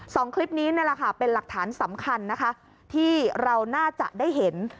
สองคลิปนี้เป็นหลักฐานสำคัญที่เราน่าจะได้เห็น